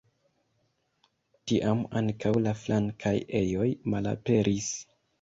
Tiam ankaŭ la flankaj ejoj malaperis.